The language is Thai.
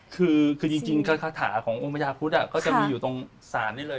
คือจริงคาถาขององค์พญาพุทธก็จะมีอยู่ตรงศาลนี้เลย